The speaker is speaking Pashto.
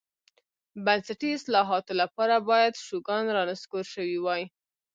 بنسټي اصلاحاتو لپاره باید شوګان رانسکور شوی وای.